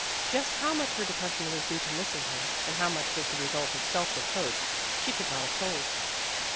Just how much her depression was due to missing him, and how much was the the result of self reproach, she could not have told.